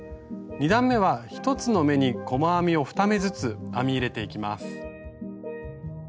２段めは１つの目に細編みを２目ずつ編み入れていきます。